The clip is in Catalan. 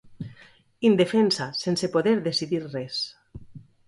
Indefensa, sense poder decidir res.